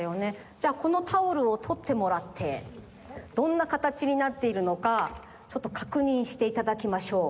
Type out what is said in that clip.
じゃあこのタオルをとってもらってどんなかたちになっているのかちょっとかくにんしていただきましょう。